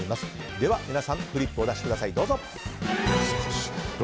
では皆さんフリップをお出しください。